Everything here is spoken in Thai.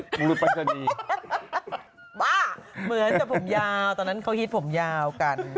บ้าเหมือนกับผมยาวตอนนั้นเขาคิดผมยากัน